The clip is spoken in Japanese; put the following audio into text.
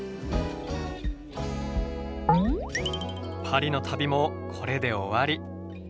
パリの旅もこれで終わり。